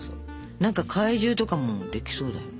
何か怪獣とかもできそうだよね。